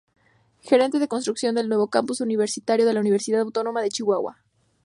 Gerente de Construcción del Nuevo Campus Universitario de la Universidad Autónoma de Chihuahua.